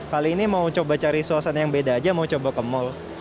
kali ini mau coba cari suasana yang beda aja mau coba ke mall